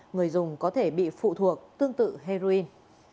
người dùng có thể bị phụ thuộc tương tự heroin